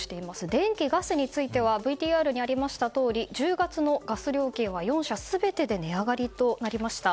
電気・ガスについてはＶＴＲにありましたとおり１０月のガス料金は、４社全てで値上がりとなりました。